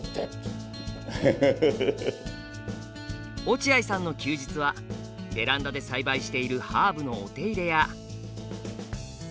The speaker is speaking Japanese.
落合さんの休日はベランダで栽培しているハーブのお手入れや。